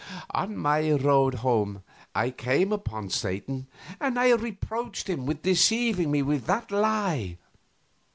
On my road home I came upon Satan, and reproached him with deceiving me with that lie.